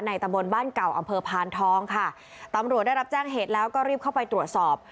ตะบนบ้านเก่าอำเภอพานทองค่ะตำรวจได้รับแจ้งเหตุแล้วก็รีบเข้าไปตรวจสอบ